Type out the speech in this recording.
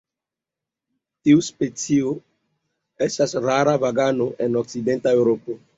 Tiu specio estas rara vaganto en okcidenta Eŭropo.